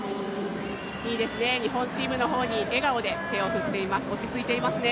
いいですね、日本チームの方に笑顔で手を振っています、落ち着いていますね。